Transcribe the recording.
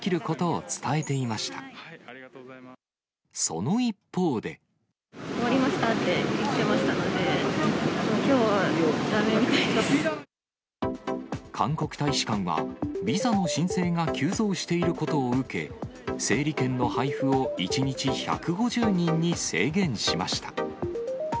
終わりましたって言ってまし韓国大使館は、ビザの申請が急増していることを受け、整理券の配布を１日１５０人に制限しました。